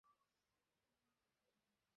শান্ত হও মেলিন্ডা।